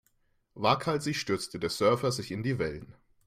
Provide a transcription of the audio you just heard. Waghalsig stürzte der Surfer sich in die Wellen.